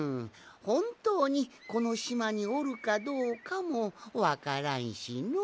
ほんとうにこのしまにおるかどうかもわからんしのう。